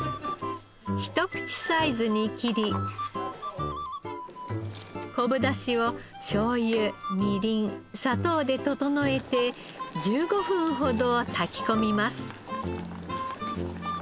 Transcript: ひと口サイズに切り昆布出汁をしょうゆみりん砂糖で調えて１５分ほど炊き込みます。